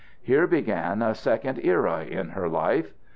Here began a second era in her life.